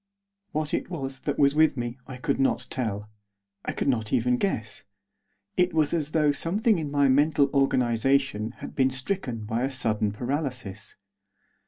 What it was that was with me I could not tell; I could not even guess. It was as though something in my mental organisation had been stricken by a sudden paralysis.